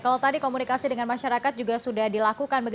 kalau tadi komunikasi dengan masyarakat juga sudah dilakukan